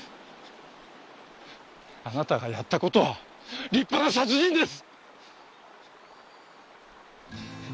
あなたがやった事は立派な殺人です！